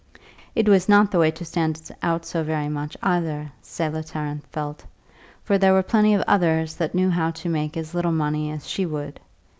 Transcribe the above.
It was not the way to stand out so very much either, Selah Tarrant felt; for there were plenty of others that knew how to make as little money as she would.